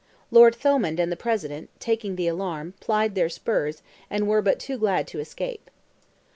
Lord Thomond and the President, taking the alarm, plied their spurs, and were but too glad to escape.